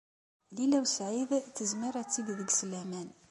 Lila u Saɛid tezmer ad teg deg-s laman.